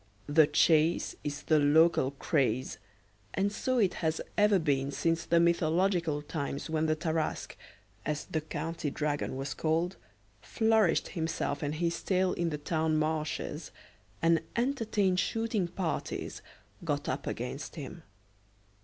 The chase is the local craze, and so it has ever been since the mythological times when the Tarasque, as the county dragon was called, flourished himself and his tail in the town marshes, and entertained shooting parties got up against him.